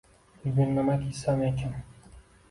Bugun nima kiysam ekin?